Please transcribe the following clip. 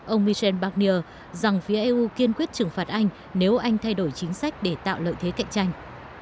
ông michel barnier rằng phía eu kiên quyết trừng phạt anh nếu anh thay đổi chính sách để tạo lợi thế cạnh tranh